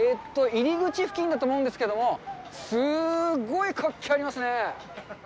入り口付近だと思うんですけどもすごい活気ありますね。